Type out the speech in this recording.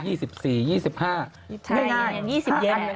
ใช่ง่าย๒๐เย็น